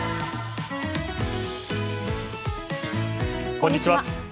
こんにちは。